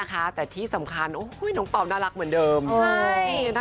แต่ว่าอันนี้มันมารากยาวมาจากละครด้วยค่ะ